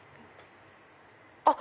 あっ！